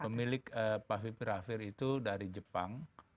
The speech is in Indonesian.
pemilik papiviravir itu dari jepang